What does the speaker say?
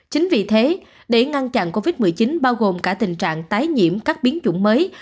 chính vì thế để ngăn chặn covid một mươi chín bao gồm cả tình trạng tái nhiễm các biến chủng mới